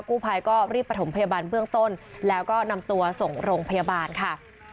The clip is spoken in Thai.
กู้ภัยก็รีบประถมพยาบาลเบื้องต้นแล้วก็นำตัวส่งโรงพยาบาลค่ะ